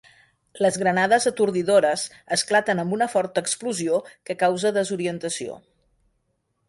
Les granades atordidores esclaten amb una forta explosió que causa desorientació.